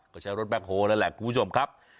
ก็ใช้รถแบ็คโฮนั่นแหละคุณผู้ชมครับ